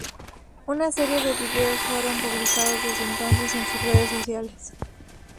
Una serie de videos fueron publicados desde entonces en sus redes sociales.